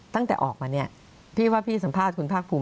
ตั้งแต่ออกมาเนี่ยพี่ว่าพี่สัมภาษณ์คุณภาคภูมิ